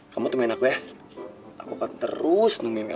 kamu buktiin aja sendiri ya oh iya